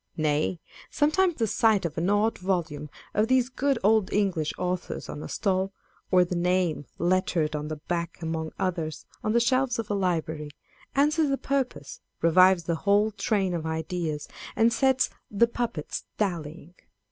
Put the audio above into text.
Nay, sometimes the sight of an odd volume of these good old English authors on a stall, or the name lettered on the back among others on the shelves of a library, answers the purpose, revives the whole train of ideas, and sets " the puppets dallying."